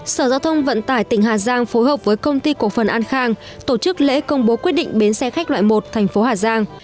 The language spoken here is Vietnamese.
sở giao thông vận tải tỉnh hà giang phối hợp với công ty cổ phần an khang tổ chức lễ công bố quyết định bến xe khách loại một thành phố hà giang